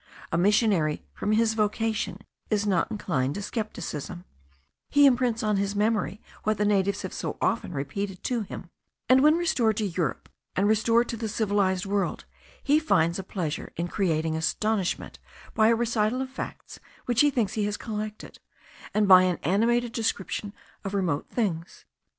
A missionary, from his vocation, is not inclined to scepticism; he imprints on his memory what the natives have so often repeated to him; and, when returned to Europe, and restored to the civilized world, he finds a pleasure in creating astonishment by a recital of facts which he thinks he has collected, and by an animated description of remote things.